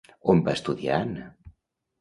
On va estudiar Anna?